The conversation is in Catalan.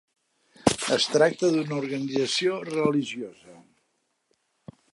Es tracta d'una organització religiosa.